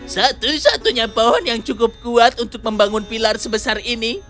satu satunya pohon yang cukup kuat untuk membangun pilar sebesar ini